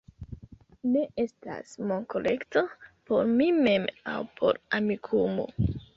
Ne estas monkolekto por mi mem aŭ por Amikumu